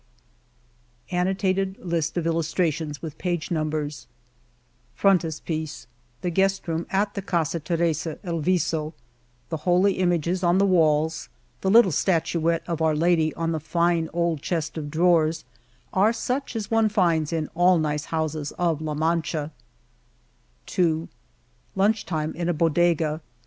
215 i^ Amp LIST OF ILLUSTRATIONS Pagt The guest room at the Casa Teresa^ El Visa, The holy images on the wallsy the little statuette of Our Lady on the fine old chest of drawers are such as one finds in all nice houses of La Man cha^ ..... Frontispiece Lunch time in a bodega.